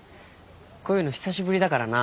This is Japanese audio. こういうの久しぶりだからな。